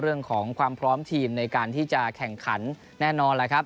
เรื่องของความพร้อมทีมในการที่จะแข่งขันแน่นอนแล้วครับ